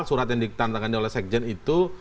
surat yang ditantangkan oleh sekjen itu